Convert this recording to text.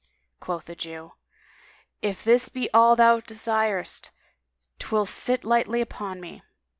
'" Quoth the Jew, "If this be all thou desirest 'twill sit lightly upon me."